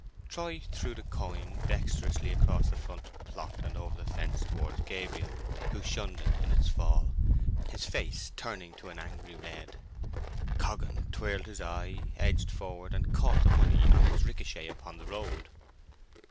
Troy threw the coin dexterously across the front plot and over the fence towards Gabriel, who shunned it in its fall, his face turning to an angry red. Coggan twirled his eye, edged forward, and caught the money in its ricochet upon the road.